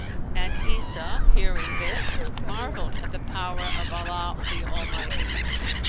And Isa hearing this marvelled at the power of Allah the Almighty.